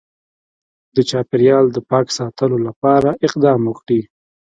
د چاپیریال د پاک ساتلو لپاره اقدام وکړي